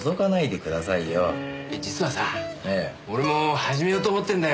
実はさ俺も始めようと思ってんだよ